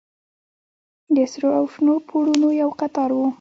د سرو او شنو پوړونو يو قطار و.